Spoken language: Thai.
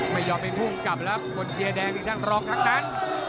ไม่ยอมไปพูดกลับแล้วผลเซียร์แดงที่ขนตรงนั้น